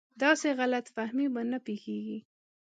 داسې غلط فهمي به نه پېښېږي.